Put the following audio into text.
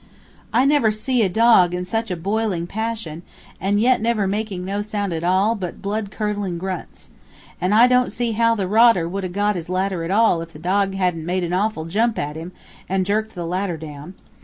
I never see a dog in such a boiling passion, and yet never making no sound at all but blood curdlin' grunts. An' I don't see how the rodder would 'a' got his ladder at all if the dog hadn't made an awful jump at him, and jerked the ladder down.